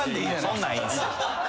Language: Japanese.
そんなんいいんす。